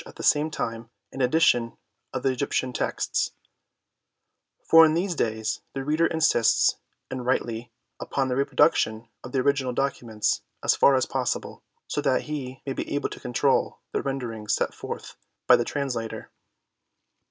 at the same time an edition of the Egyptian texts ; for in these days the reader insists, and rightly, upon the reproduction of the original documents as far as possible, so that he may be able to control the ren derings set forth by the translator.